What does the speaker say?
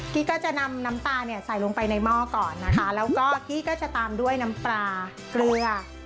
กี้ก็จะนำน้ำตาเนี่ยใส่ลงไปในหม้อก่อนนะคะแล้วก็กี้ก็จะตามด้วยน้ำปลาเกลือ